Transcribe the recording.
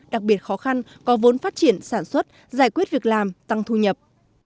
đặc biệt khó khăn có vốn phát triển sản xuất giải quyết việc làm tăng thu nhập